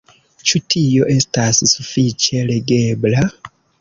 Ĉu tio estas sufiĉe legebla?